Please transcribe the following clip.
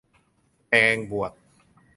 แกงบวด